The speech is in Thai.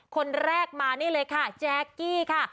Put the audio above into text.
คนแรกมานี่เลยค่ะแจ๊กกี้ค่ะ